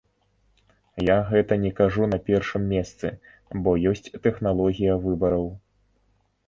Я гэта не кажу на першым месцы, бо ёсць тэхналогія выбараў.